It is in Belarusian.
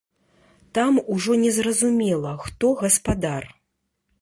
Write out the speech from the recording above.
Там ужо незразумела, хто гаспадар.